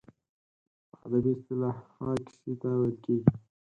په ادبي اصطلاح هغې کیسې ته ویل کیږي.